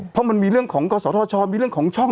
เพราะมันมีเรื่องของกศธชมีเรื่องของช่อง